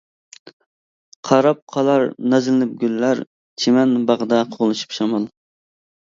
قاراپ قالار نازلىنىپ گۈللەر، چىمەن باغدا قوغلىشىپ شامال.